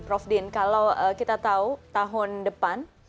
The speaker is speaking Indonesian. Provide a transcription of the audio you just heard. prof din kalau kita tahu tahun depan